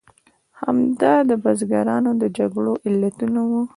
همدا د بزګرانو د جګړو علتونه وو.